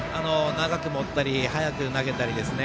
長く持ったり早く投げたりですね。